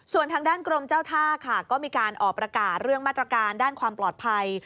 ส่วนทางด้านกรมเจ้าท่าค่ะก็มีการออกประกาศเรื่องมาตรการด้านความปลอดภัย